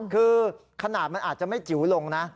คือขนาดมันอาจจะไม่จิ๋วลงนะ